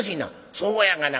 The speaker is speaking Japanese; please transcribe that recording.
「そうやがな。